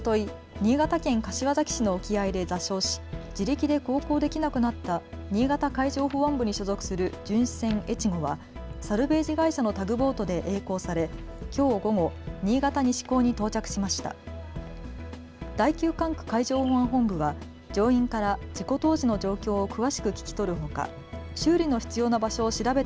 新潟県柏崎市の沖合で座礁し自力で航行できなくなった新潟海上保安部に所属する巡視船えちごはサルベージ会社のタグボートでえい航され、きょう午後、新潟西港に到着しました。